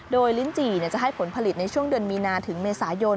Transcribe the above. โดยลิ้นจี่จะให้ผลผลิตในช่วงเดือนมีนาถึงเมษายน